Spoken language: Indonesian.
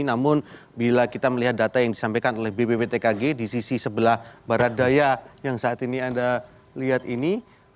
namun bila kita melihat data yang disampaikan oleh bbbtkg di sisi sebelah barat daya yang saat ini anda lihat ini